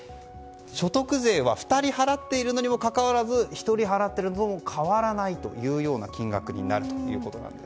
所得税は２人払っているのにもかかわらず１人払っている分と変わらないような金額になるということなんです。